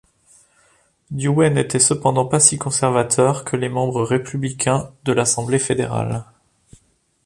Dewey n'était cependant pas si conservateur que les membres républicains de l'assemblée fédérale.